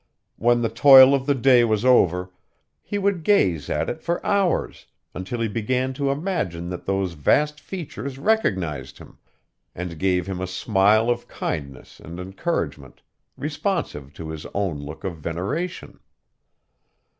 When the toil of the day was over, he would gaze at it for hours, until he began to imagine that those vast features recognized him, and gave him a smile of kindness and encouragement, responsive to his own look of veneration.